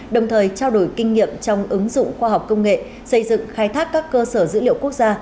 đồng thời trao đổi kinh nghiệm trong ứng dụng khoa học công nghệ xây dựng khai thác các cơ sở dữ liệu quốc gia